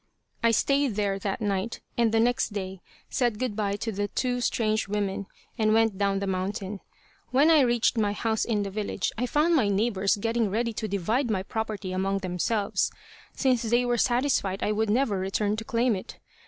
I stayed there that night, and the next day said good by to the two strange women, and went down the mountain. When I reached my house in the village I found my neighbors getting ready to divide my property among themselves, since they were satisfied I would never return to claim it.